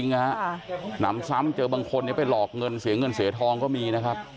หนำซ้ำเจอบางคนไปหลอกเงินเสียเงินเสียทองก็มีนะครับ